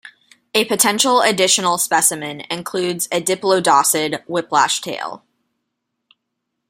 A potential additional specimen includes a diplodocid whiplash tail.